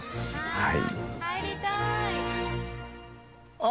はい。